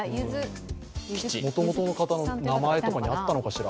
「きち」はもともとの方の名前とかにあったのかしら。